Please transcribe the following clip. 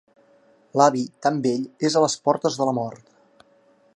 L'avi, tan vell, és a les portes de la mort.